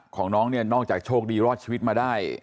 ของน้องเนี่ยนอกจากโชคดีรอดชีวิตมาได้